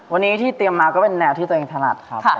วันนี้ที่เตรียมมาก็เป็นแนวที่ตัวเองถนัดครับ